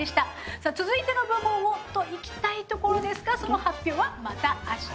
さあ続いての部門をといきたいところですがその発表はまた明日。